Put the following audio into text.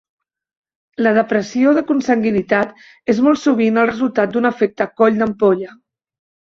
La depressió de consanguinitat és molt sovint el resultat d'un efecte coll d'ampolla.